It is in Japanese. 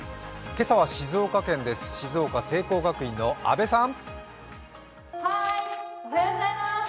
今朝は静岡県では静岡聖光学院の阿部さん。